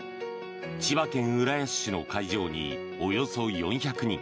千葉県浦安市の会場におよそ４００人